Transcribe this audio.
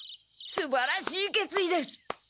すばらしいけついです！